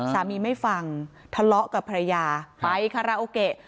สามีไม่ฟังทะเลาะกับภรรยาไปคาราโอเกะ